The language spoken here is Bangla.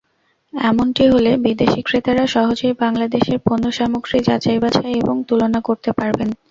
এমনটি হলে বিদেশি ক্রেতারা সহজেই বাংলাদেশের পণ্যসামগ্রী যাচাই-বাছাই এবং তুলনা করতে পারবেন।